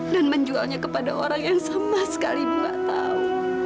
dan menjualnya kepada orang yang sama sekali ibu gak tahu